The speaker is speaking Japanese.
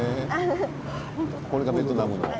これがベトナムの。